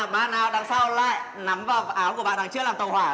bắt đầu đi vào lớp rồi